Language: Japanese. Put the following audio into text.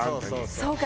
そうか。